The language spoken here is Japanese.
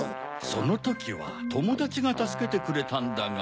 そのときはともだちがたすけてくれたんだが。